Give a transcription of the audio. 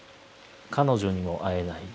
彼女にも会えない。